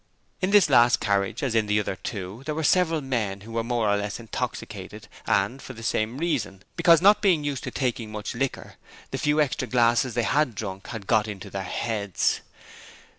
In this last carriage, as in the other two, there were several men who were more or less intoxicated and for the same reason because not being used to taking much liquor, the few extra glasses they had drunk had got into their heads.